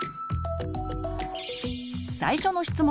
最初の質問！